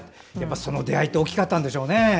その出会いって大きかったんでしょうね。